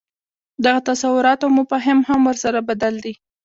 دغه تصورات او مفاهیم هم ورسره بدل دي.